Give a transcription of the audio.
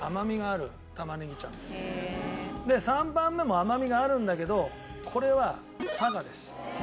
で３番目も甘みがあるんだけどこれは佐賀です。